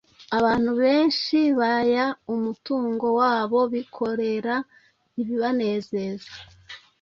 Abantu benshi baya umutungo wabo bikorera ibibanezeza.